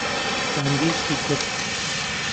بانگێشتی کرد.